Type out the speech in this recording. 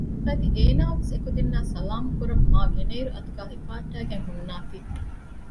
އަދި އޭނާވެސް އެކުދިންނާ ސަލާމް ކުރަން މާ ގިނައިރު އަތުގައި ހިފަހައްޓައިގެން ހުންނާތީ